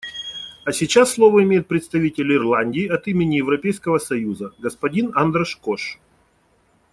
А сейчас слово имеет представитель Ирландии от имени Европейского союза — господин Андраш Кош.